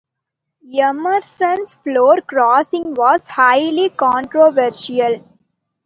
Emerson's floor-crossing was highly controversial.